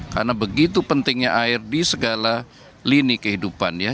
karena begitu pentingnya air di segala lini kehidupan ya